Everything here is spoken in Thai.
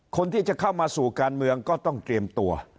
คนที่จะเข้ามาสู่การเมืองก็ต้องเตรียมตัว